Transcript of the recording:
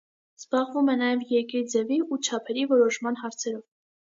Զբաղվում է նաև երկրի ձևի ու չափերի որոշման հարցերով։